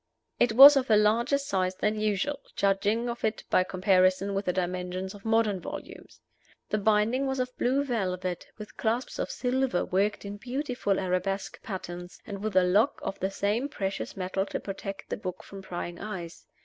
It was of a larger size than usual, judging of it by comparison with the dimensions of modern volumes. The binding was of blue velvet, with clasps of silver worked in beautiful arabesque patterns, and with a lock of the same precious metal to protect the book from prying eyes.